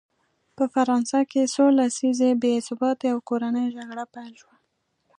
په فرانسه کې څو لسیزې بې ثباتي او کورنۍ جګړه پیل شوه.